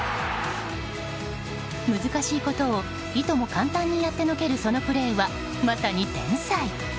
難しいことをいとも簡単にやってのけるそのプレーは、まさに天才。